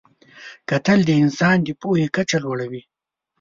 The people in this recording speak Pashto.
کتل د انسان د پوهې کچه لوړوي